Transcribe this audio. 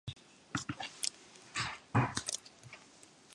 Some of the most eminent men of Canada owed their training to him.